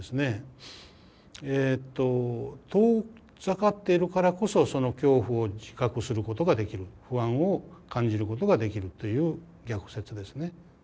えっと遠ざかっているからこそその恐怖を自覚することができる不安を感じることができるという逆説ですね。